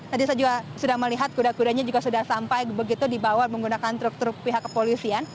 tadi saya juga sudah melihat kuda kudanya juga sudah sampai begitu dibawa menggunakan truk truk pihak kepolisian